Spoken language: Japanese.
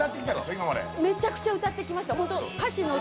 今までめちゃくちゃ歌ってきました